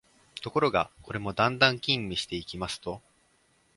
ところが、これもだんだん吟味していきますと、